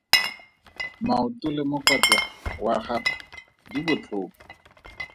Maoto le mokwatla wa gagwe di botlhoko.